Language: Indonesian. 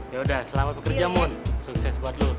yaudah selamat bekerja moon sukses buat lo